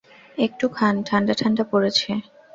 একটু খান, ঠাণ্ডা ঠাণ্ডা পড়েছে।